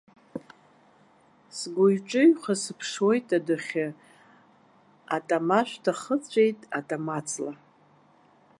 Сгәыҩ-ҿыҩха сыԥшуеит адәахьы, атамашәҭахыҵәеит атамаҵла.